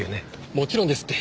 もちろんですって！